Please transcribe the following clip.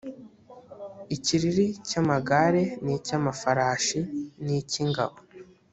ikiriri cy amagare n icy amafarashi n icy ingabo